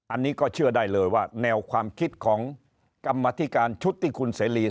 อันนี้ก็เชื่อได้เลยว่าแนวความคิดของกรรมธิการชุดที่คุณเสรี